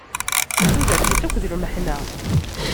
Tudert-is akk d lmeḥna.